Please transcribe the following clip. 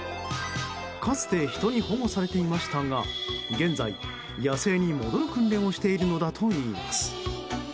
かつて人に保護されていましたが現在、野生に戻る訓練をしているのだといいます。